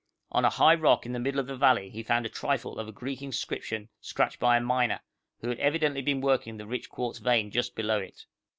On a high rock in the middle of the valley he found a trifle of a Greek inscription scratched by a miner, who had evidently been working the rich quartz vein just below it.